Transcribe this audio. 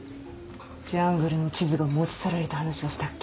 ジャングルの地図が持ち去られた話はしたっけ？